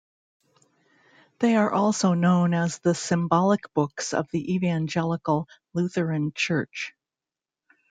They are also known as the symbolical books of the Evangelical Lutheran Church.